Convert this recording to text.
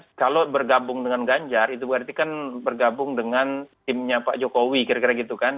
itu berarti kan bergabung dengan timnya pak jokowi kira kira gitu kan